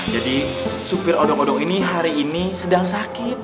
jadi supir odong odong ini hari ini sedang sakit